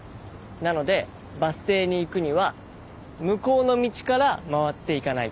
なのでバス停に行くには向こうの道から回って行かないと。